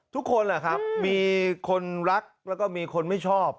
ทุกคนแหละครับมีคนรักแล้วก็มีคนไม่ชอบ